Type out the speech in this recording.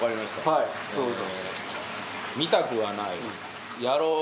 はいどうぞ。